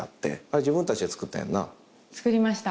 作りました。